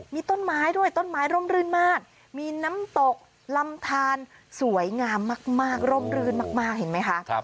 มีต้นไม้ด้วยต้นไม้ร่มรื่นมากมีน้ำตกลำทานสวยงามมากร่มรื่นมากเห็นไหมคะ